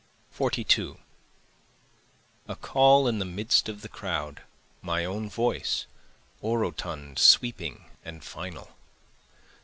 42 A call in the midst of the crowd, My own voice, orotund sweeping and final.